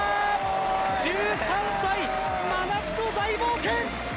１３歳、真夏の大冒険。